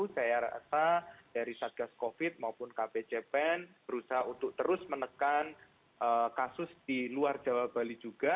saya rasa dari satgas covid maupun kpjpen berusaha untuk terus menekan kasus di luar jawa bali juga